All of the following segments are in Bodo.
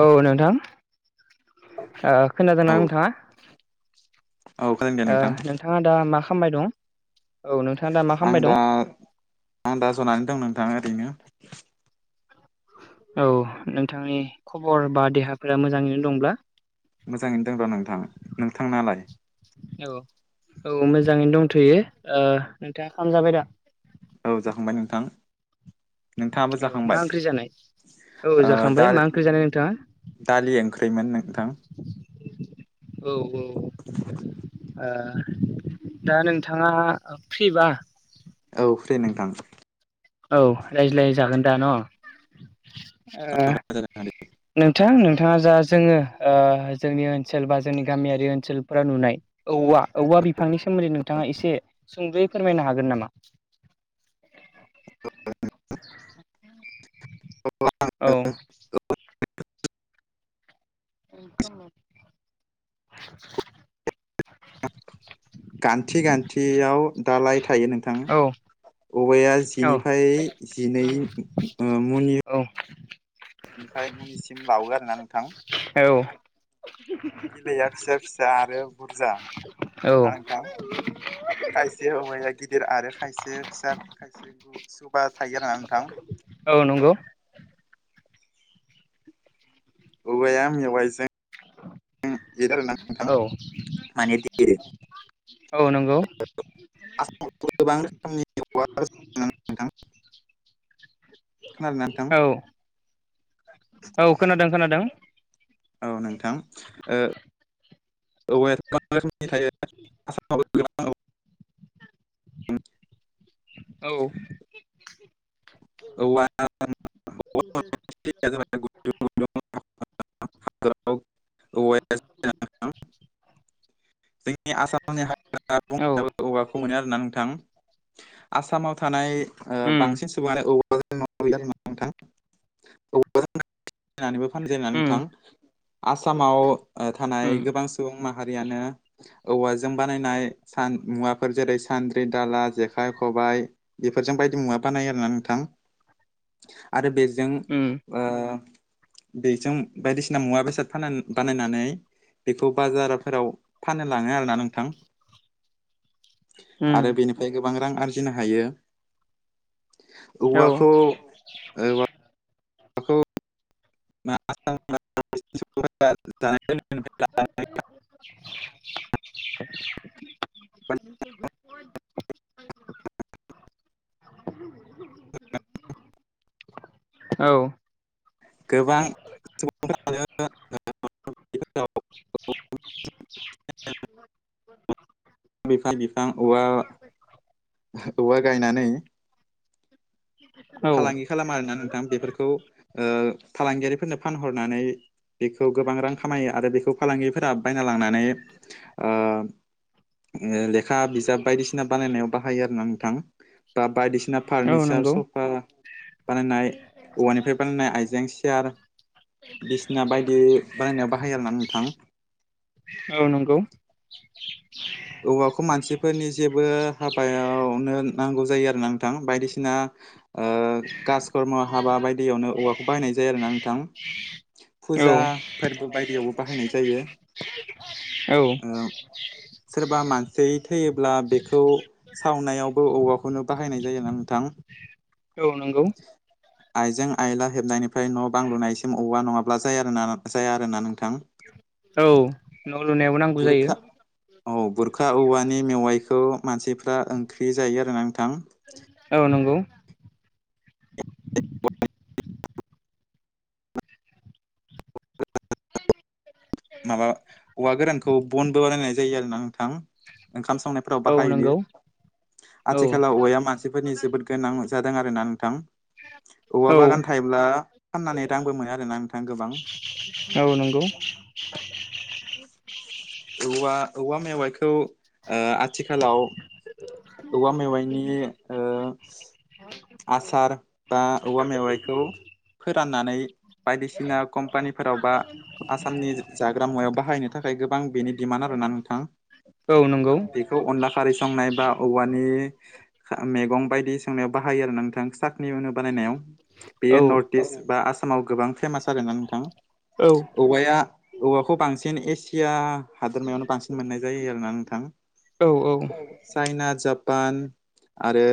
औ नोंथां ओ औ खोनादोंना नोंथाङा? खोनादों दे ओ नोंथां नोंथाङा दा मा खामबाय दं? औ नोंथाङा दा मा आं खालामबाय दं? दा आं दा जनानै दं नोंथां ओरैनो औ नोंथांनि खबर बा देहाफोरा मोजाङैनो दंब्ला मोजाङैनो दं र' नोंथां नोंथांनालाय? औ औ मोजाङैनो दंथ'यो ओ नोंथाङा खाम जाबायदा? औ जाखांबाय नोंथां नोंथाङाबो औ मा जाखांबाय ओंख्रि जानाय? औ ओ जाखांबाय मा ओंख्रि जानाय नोंथाङा? दालि ओं खैमोन नोंथां औ औ ओ दा नोंथाङा फ्रिबा औ फ्रि नोंथां औ रायज्लाय जागोन दा न? ओ [unintelligible] नोंथां नोंथाङा जा जोङो ओ जोंनि ओनसोल बा जोंनि गामियारि ओनसोलफोराव नुनाय औवा औवा बिफांनि सोमोन्दै नोंथाङा एसे सुंद'यै फोरमायनो हागोन नामा? [inaudible] [inaudible] औ [unintelligible] [unintelligible] गान्थि गान्थियाव दालाय थायो नोंथां औ औवाया औ जिनिफ्राय जिनै ओ मुनि [unintelligible] बावो आरोना नोंथां औ बिलाया फिसा फिसा आरो बुरजा औ ना नोंथां [unintelligible] खायसे हौवाया गिदिर आरो खायसे फिसा खायसे सुबा थायो आरो ना नोंथां औ नंगौ औवाया मेवाइजों [unintelligible] औ औ नंगौ [unintelligible] खोनादोना नोंथां औ औ खोनादों खोनादों औ नोंथां ओ [unintelligible] [unintelligible] औ [unintelligible] [unintelligible] आसामनि हाग्रा औ बंग्रायाव औवाखौ मोनो आरोना नोंथां आसामाव थानाय ओ उम बांसिन सुबुङानो औ [unintelligible] उम नोंथां आसामाव थानाय उम गोबां सुबुं माहारियानो औवाजों बा बानायनाय सान मुवाफोर जेरै सान्द्रि दाला जेखाइ खबाइ बेफोरजों बायदि मुवा बानायो आरोना नोंथां आरो बे जों उम ओ बेजों बायदिसिना मुवा बेसादान बानायनानै बेखौ बाजारफोराव फाननो लाङो आरोना नोंथां उम आरो बेनिफ्राय गोबां रां आरजिनो हायो औ औवाखौ [unintelligible] [unintelligible] [inaudible] [inaudible] औ गोबां सुबुंफोर [unintelligible] [inaudible] बिफां औवा औवा गायनानै औ फालांगि खालामो आरोना नोंथां बेफोरखौ ओ फालांगियारिफोरनो फानहरनानै बेखौ गोबां रां खामायो आरो बेखौ फालांगिफोरा बायना लांनानै ओ [inaudible] लेखा बिजाब बायदिसिना बानायनायाव बाहायो आरो ना नोंथां बा बायदिसिना औ फार्निचार नंगौ सब बानायनाय औवानिफ्राय बानायनाय आइजें सियार बिसिना बायदि बानायनायाव बाहायो आरोना नोंथां औ नंगौ औवाखौ मानसिफोरनि जेबो हाबायावनो नांगौ जायो आरो ना नोंथां बायदिसिना ओ कासकर्म हाबा बायदियावनो औवाखौ बाहायनाय जायो आरोना नोंथां फुजा औ फोरबो बायदियावबो बाहायनाय जायो औ ओ सोरबा मानसि थैयोब्ला बेखौ सावनायावबो औवाखौनो बाहायनाय जायोना नोंथां औ नंगौ आइजेंं आइला हेबनायनिफ्राय न' बां लुनायसिम औवा नङाब्ला जाया जाया आरो ना नों औ न' लुनायावबो नांगौ जायो बुरखा औ बुरखा औवानि मेवाइखौ मानसिफ्रा ओंख्रि जायो आरोना नोंथां औ नंगौ [inaudible] माबा औवा गोरानखौ बनबो बानायनाय जायो आरोना नोंथां। ओंखाम संनायफोराव औ बाहायनो नंगौ औ आथिखालाव औवाया मानसिफोरनि जोबोद गोनां जादों आरोना नोंथां। औवा औ बागान थायोब्ला फाननानै रांबो मोनो आरोना नोंथां गोबां। औ नोंगौ। औवा औवा मेवाइखौ ओ आथिखालाव औवा मेवाइ नि ओ आसार बा औवा मेवाइखौ फोराननानै बायदिसिना कम्पानिफोराव बा आसामनि जाग्रा मुवायाव बाहायनो थाखाय गोब बां बेनि डिमान्ड आरोना नोंथां औ नंगौ बेखौ अनला खारै संनाय बा औवानि खा मेगं बायदि संनायाव बाहायो आरो ना नोंथां। साथ नि उनु बानायनायाव। औ बेयो नर्थ इस्ट बा आसामाव गोबां फेमास आरो ना नोंथां। औ औवाया औवाखौ बांसिन एसिया हादोरमायावनो बांसिन मोननाय जायो आरोना नोंथां। औ चाइना, जापान आरो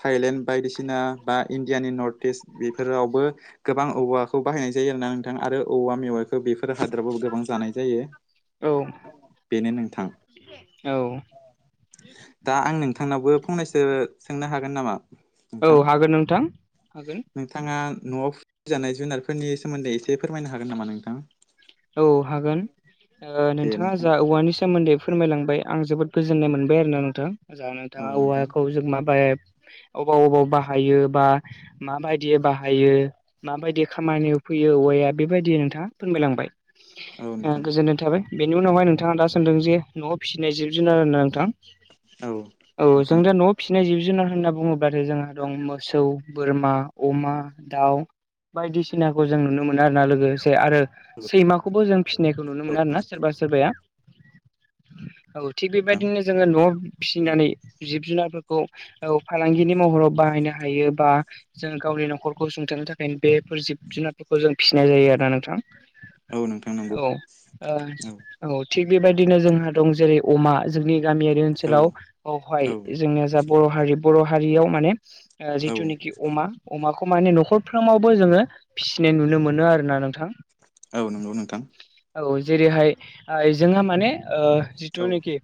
थाइलेण्ड बायदिसिना बा इण्डियानि नर्थ इस्ट बेफोरावबो गोबां औ औवाखौ बाहायनाय जायो आरोना नोंथां आरो औवा मेवाइखो बेफोर हादोराबाबो गोबां जानाय जायो। औ बेनो नोंथां। दा आं नोंथांनावबो फंनैसो सोंनो हागोन नामा? औ नोंथां हागोन नोंथां हागोन। जानाय जुनारफोरनि सोमोन्दै एसे फोरमायनो हागोन नामा नोंथां? औ हागोन। ओ दे नोंथाङा नोंथां जा औवानि सोमोन्दै फोरमायलांबाय आं जोबोद गोजोननाय मोनबाय आरो ना नोंथां। जा औ नोंथाङा नोंथां औवाखौ जों माबाय अबाव अबाव बाहायो बा माबायदि बाहायो माबायदि खामानियाव फैयो औवा या बेबायदि नोंथाङा फोरमायलांबाय। औ आ नोंथां गोजोन्नाय थाबाय। बेनि उनावहाय नोंथाङा दा सोंदों जे न'वाव फिसिनाय जिब जुनार आरोना नोंथां। औ औ नोंथां जों दा न'वाव फिसिनाय जिब जिब जुनार होन्ना बुङोब्लाथाय जोंहा दं मोसौ, बोरमा, अमा, दाउ बायदिसिनाखौ जों नुनो मोनो आरोना लोगोसे आरो सैमाखौबो जों फिसिनायखौ नुनो मोनो आरो ना सोरबा सोरबाया। औ थिग औ नोंथां बेबायदिनो जोङो न'वाव औ फिसिनानै जिब जुनारफोर खौ औ फालांगिनि महराव बाहायनो हायो बा जों गावनि न'खरखौ सुंथानो थाखायनो बे फोर जिब जुनारफोरखौ जों फिनाय जायो आरोना नोंथां। औ नोंथां नंगौ औ आ औ। थिग बेबायदिनो जोंहा दं जेरै अमा जोंनि गामियारि औ ओनसोलाव आवहाय औ जोंनिया जाब बर' हारि बर' हारियाव माने ओ औ जिथुनाखि अमा अमाखौ माने न'खरफ्रामावबो जोङो फिसिनाय नुनो मोनो आरोना नोंथां। औ नोंगौ नोंथां। औ जेरैहाय आइ जोंहा माने ओ औ जिथुनिखि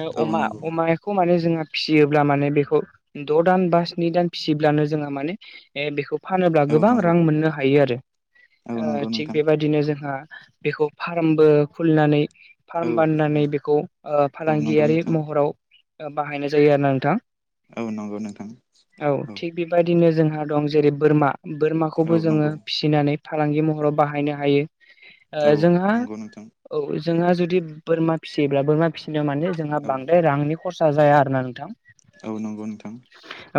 ओ औ अमा नंगौ अमाखौ माने जोंहा फिसियोब्ला माने बेखौ द' दान बा स्नि दान फिसियोब्लानो जोङो माने ए बेखौ फानोब्ला औ गोबां नंगौ रां मोननो हायो आरो। औ ओ नंगौ थिग नोंथां बेबायदिनो जों आ बेखौ फारामबो खुलिनानै औ फार्म औ बाननानै बेखौ ओ औ नंगौ फालांगियारि नोंथां महराव ओ बाहायनाय जायो आरना नोंथां। औ नंगौ नोंथां औ थिग बेबायदिनो जों हा दं जेरै बोरमा। औ बोरमाखौबो जोङो नंगौ फिसिनानै फालांगि महराव बाहायनो हायो। औ ओ जोंहा नंगौ नोंथां औ जोंहा जुदि बोरमा फिसियोब्ला बोरमा फि [unintelligible] माने जोंहा औ बांद्राय रांनि खरसा जाया आरो ना नोंथां। औ नंगौ नोंथां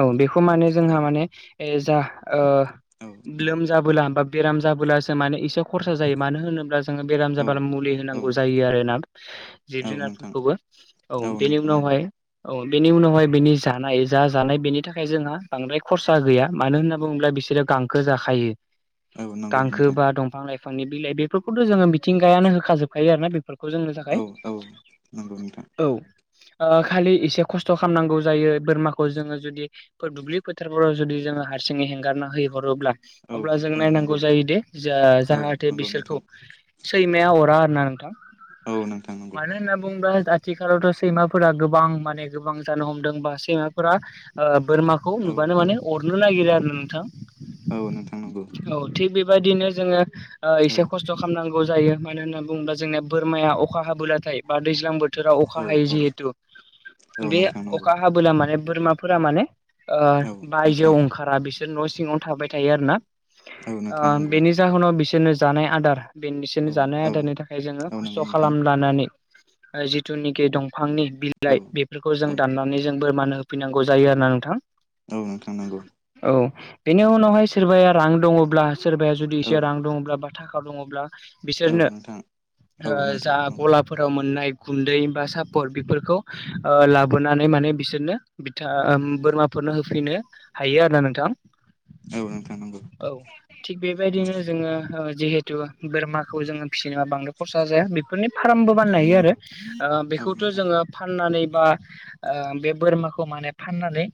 औ बेख थ माने औ जोंहा माने ए जा ओ औ नंगौ लोमजाबोला बा बेराम जाबोलासो माने एसे खरसा जायो। मानो होनोब्ला जोङो बेमार जाबालो मुलि औ औ होनांगौ जायो आरोना जिब औ नोंथां जुनारफोरखौबो। औ बेनि नोंथां उनाव नंगौ [unintelligible] औ बेनि उनावहाय बेनि जानाय जा जानाय बेनि थाखाय जोंहा बांद्राय खरसा गैया मानो होनना बुङोब्ला। बिसोरो गांखो जाखायो। औ नंगौ गांखो नोंथां बा दंफां लाइफांनि बिलाइ बेफोरखौथ' जोङो मिथिंगायानो होखाजोबखायो आरोना बेफोरखौ। खौ जोंनो थाखाय औ औ नंगौ नोंथां औ। ओ खालि एसे खस्थ' खालामनांगौ जायो बोरमाखौ जोङो जुदि दुब्लि फोथारफोराव जुदि। जोङो हारसिङै हेंगारना है हरोब्ला। औ अब्ला जों औ नायनांगौ नंगौ जायो दे जा औ जाहाथे नंगौ बिसोरखौ नोंथां सैमाया। अरा आरो ना नोंथां औ नोंथां नंगौ मानो होनना बुंङोबा। आथिखालावथ' सैमाफोरा गोबां माने गोबां जानो हमदों बा सैमाफोरा ओ बोरमाखौ औ नुबानो औ माने अरनो नागिरो आरो नोंथां। औ नोंथां नोंगौ। औ थिग बेबायदिनो जोङो ओ खस्थ' खालामनांगौ। जायो मानो होननानै बुङोबा जोंना बोरमाया अखा हाबोलाथाय बा दैज्लां बो। बोथोराव अखा औ हायो औ जिहेथु औ बे नोंथां नंगौ अखा हाबोला माने बोरमाफोरा माने। औ ओ बायजोआव नोंथां ओंखारा बिसोर न' सिङावनो थाबाय थायो आरो ना। औ ओ नोंथां नंगौ बेनि जाहोनाव बिसोरनो जानाय आदार। बेसोरनो औ जानाय औ आदारनि थाखाय जोङो औ खस्थ' नंगौ नोंथां खालाम लानानै जिथुनिकि दं। दंफांनि औ बिलाइ बेफोरखौ जों औ दाननानै जों बोरमानो होफैनांगौ जायो आरोना नोंथां। औ नोंथां नंगौ। औ बेनि उनावहाय सोरबाया रां दङब्ला सोरबाया जुदि औ एसे रां दङब्ला बा थाखा दङब्ला। औ बिसोरनो नोंथां औ नोंथां जा नंगौ गलाफोराव मोननाय। गुन्दै बा सापर बेफोरखौ ओ लाबोनानै माने बिसोरनो बिथ बोरमा नो होफैनो हायो आरो ना नोंथां। औ नोंथां नंगौ औ थिग औ बेबायदिनो जोङो। जिहेतु बोरमाखौ जोङो फिसिनो बांद्राय खरसा जाया बेफोरनि फार्मबो बानायनो हायो आरो। औ बेखौथ नोंथां जोङो फाननानै बा बे बोरमाखौ। फाननानै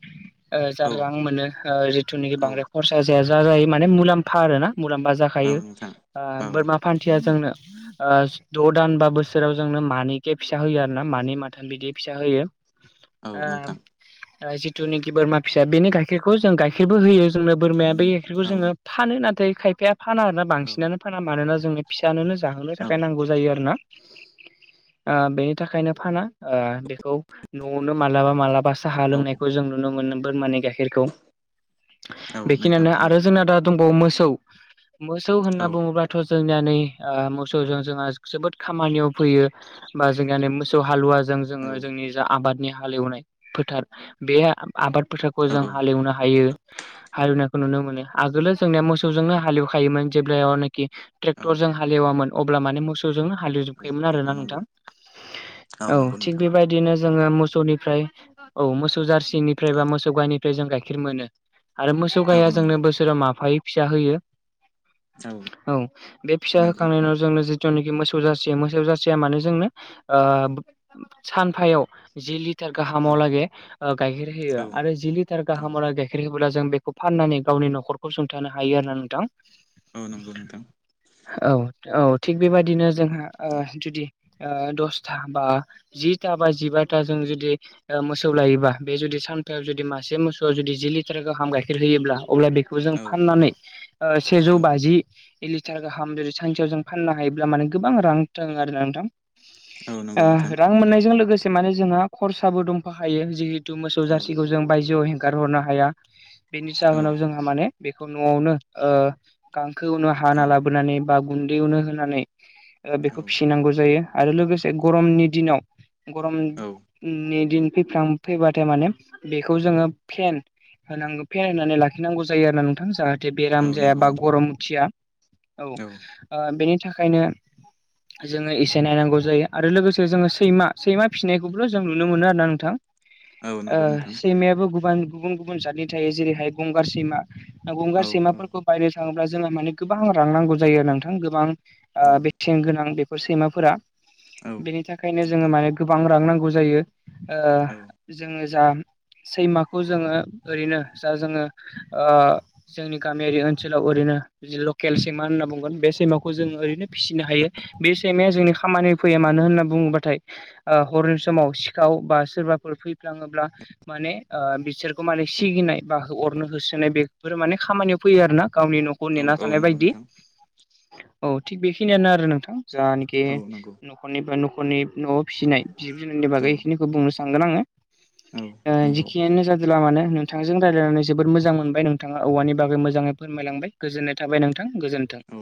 जा औ रां मोनो जिथुनाखि औ बांद्राय खरसा जाया। ज जायो माने मुलाम्फा आरो ना मुलाम्फा औ जाखायो नोंथां औ बोरमा फान्थिया जोंनो। द' दान बा बोसोराव जोंनो मानैखे फिसा होयो आरो ना मानै माथोन बिदि फिसा होयो। ओ औ नोंथां जिथुनिखि बोरमा फिसा बेनि गाइखेरखौ जों गाइखेरबो होयो जोंनो बोरमाया बे गाइखेरखौ औ जोङो फानो नाथाय खायफाया फाना आरो। औ बांसिनानो फाना मानोना जोङो फिसानोनो जाहोनो औ थाखाय नांगौ जायो आरोना। बेनि थाखायनो फाना बेखौ नआवनो मालाबा मालाबा। साहा लोंनायखौ जों नुनो मोनदों बोरमाने गाइखेरखौ औ औ नोंथां बेखिनियानो आरो नंगौ जोंना दा दं। मोसौ मोसौ औ होनना बुङोब जोंनियाै मोसौजों जोंहा जोबोद खामानियाव फैयो बा जोंनियाै मोसौ हालुवा। जों औ जोङो जोंनि जा आबादनि हालेवनाय फोथार बे आबाद फोथारखौ औ जों हालेवनो हायो हालेवनायखौ नुनो मोनो आगोलो जोंनिया मोसौजोंनो। हालेवखायोमोन जे्लखि औ ट्रेक्टरजों हालेवामोन अब्ला माने मोसौ ज हालौ औ जोबखायोमोन आरो नंगौ नोंथां औ नंगौ थिग नोंथां बेबायदिनो जोङो मोसौनिफ्राय औ मोसौ जारसिनिफ्राय बा औ मोसौ गायनिफ्राय जों गाइखेर मोनो। आरो मोसौ औ गाया नंगौ जोंनो बोसोराव माफायै फिसा होयो। औ बे फिसा नंगौ होखांनायनि उनाव जोंनो ज जिथुनाखि मोसौ जासि मोसौ जासिया मानो जोंनो सानफायाव जि लिार औ गाहामाव लागै गाइखेर होयो औ आरो जि लिटार औ गाहामाव गाइखेर हो अब्ला जों बेखौ फाननानै गावनि न'खरखौ सुंथानो हायो आरो ना नोंथां। औ नंगौ नोंथां। औ औ थिग बेबायाददिनो जोंहा औ जुदि दसथा बा जिथा बा जिबाथा जों जुदि मोसौ लायोबा बे जुदि। सानथायायाव जुदि मासे मोसौ जुदि जि लिटार गाहाम गाइखेर होयोब्ला अब्ला बेखौ जों औ फाननानै सेजौ औ बाजि। ए लिटार गाहाम जुदि सानसेयाव जों फाननो हायोब्ला माने गोबां रां थाङो आरो ना नोंथां। औ नंगौ नोंथां ओ रां मोननायजों लोगोसे माने जोंहा खरसाबो दंफाहायो जि बु मोसौ औ जारसिखौ जों बायजोआव हेंगार हरनो हाया बेनि औ जाहोनाव जोंहा माने न'आवनो ओ गांखोआवनो हाना लाबोनानै बा गुन्दैयावनो होनानै बेखौ औ फिसिनांगौ जायो आरो लोगोसे गरमनि दिनाव औ गरमनि दिन फैां फैबाथाय माने बेखौ जोङो फेन होनांगौ फेरायनानै लाखिनांगौ जायो आरो ना नोंथां जाहाथे औ बेराम जाया नंगौ बा नोंथां गरमथिया औ ओ बेनि थाखायनो जोङो एसे नायनांगौ जायो आरो लोगोसे जोङो सैमा सैमा फिसिनायखौबोल' जों नुनो मोनो आरोना नोंथां। औ नंगौ नोंथां सैमायाबो गुब गुबुन गुबुन जातनि थायो जेरैहाय गंगार सैमा। औ गंगार औ सैमाफोरखौ बायनो थाङोब्ला जोंहा माने गोबां रां नांगौ जायो नोंथां गोबां ओ औ बेसेन गोनां बेफोर सैमाफोरा औ बेनि थाखायनो जोङो नोंथां माने गोबां रां नांगौ जायो ओ औ जों जा सैमाखौ जोङो ओरैनो जा जोङो ओ जोंनि गामियारि ओनसोलाव ओरैनो जि लकेल सैमा होनना बुंगोन बे सैमाखौ जों ओरैनो फिसिनो हायो बे सैमाया जोंनि खामानियाव फैया मानो होनना बुङोबाथाय ओ हरनि समाव सिखाव बा सोरबाफोर फैफ्लाङोब्ला माने ओ बिसोरखौ माने सिगिनाय बा अरनो होसोनाय बेफोर माने खामानि फैयो आर ना गावनि न'खौ औ नेना औ थानाय नंगौ बायदि नोंथां औ थिग बेखिनियानो आरो नोंथां। जानखि औ नंगौ न'खरनि बा न'खरनि न'आव फिसिनायब जुनारनि औ बागै बेखिनिखौ बुंनोसै ओ थांगोन आङो औ नंगौ जिखियानो ज जादोंला मानो नोंथांजों रायलायनानै जोबोर मोजां मोनबाय नोंथाङा औवानि बागै मोजां मोजाङै फोरमायलांबाय गोजोननाय थाबाय नोंथां गोजोन्थों। औ